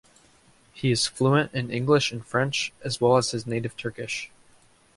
He is fluent in English and French as well as his native Turkish.